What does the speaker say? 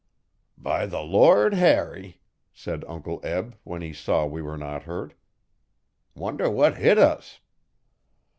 'By the Lord Harry!' said Uncle Eb, when he saw we were not hurt. 'Wonder what hit us.'